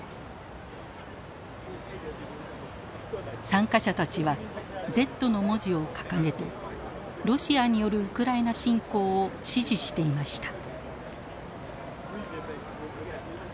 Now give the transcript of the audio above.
参加者たちは「Ｚ」の文字を掲げてロシアによるウクライナ侵攻を支持していました。